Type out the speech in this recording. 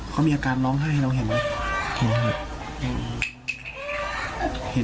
เขามีอาการร้องไห้น้องเห็นไหม